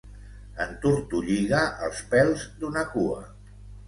Entortolliga els pèls d'una cua.